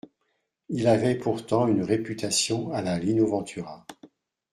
Il avait pourtant une réputation à la Lino Ventura